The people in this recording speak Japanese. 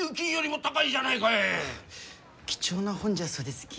貴重な本じゃそうですき。